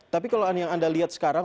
tapi kalau yang anda lihat sekarang